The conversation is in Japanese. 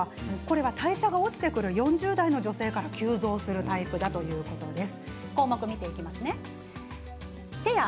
代謝が落ちてくる４０代女性から急増するタイプだということです。